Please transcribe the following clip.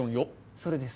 それです。